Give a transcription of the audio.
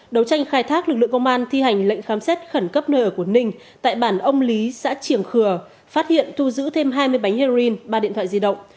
đấu tranh khai thác lực lượng công an thi hành lệnh khám xét khẩn cấp nơi ở của ninh tại bản ông lý xã triềng khừa phát hiện thu giữ thêm hai mươi bánh heroin ba điện thoại di động